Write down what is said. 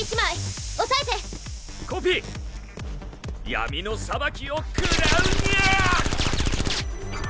闇の裁きを食らうニャ！